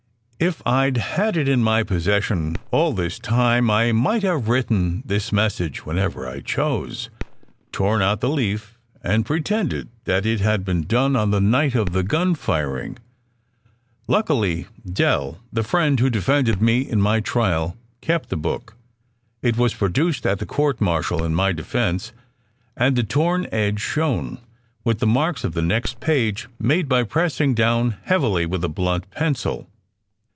"If I d had it in my possession all this time I might have written this message whenever I chose, torn out the leaf, and pretended that it had been done on the night of the gunfiring. Luckily Dell, the friend who defended me in my trial, kept the book. It SECRET HISTORY 307 was produced at the court martial in my defence, and the torn edge shown, with the marks on the next page made by pressing down heavily with a blunt pencil.